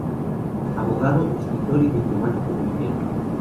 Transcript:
Abogado, escritor y diplomático boliviano.